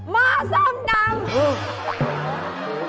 ม่อซ้อมดำ